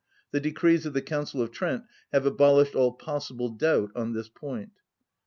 The decrees of the Council of Trent have abolished all possible doubt on this point....